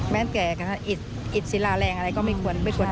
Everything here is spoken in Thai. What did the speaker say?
แม้แก่อิตศิลาแรงอะไรก็ไม่ควรเอากลับไป